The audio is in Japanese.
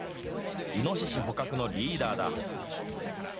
イノシシ捕獲のリーダーだ。